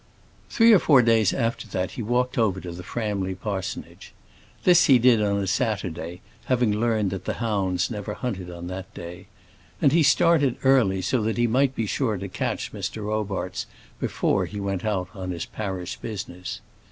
Three or four days after this he walked over to Framley Parsonage. This he did on a Saturday, having learned that the hounds never hunted on that day; and he started early, so that he might be sure to catch Mr. Robarts before he went out on his parish business.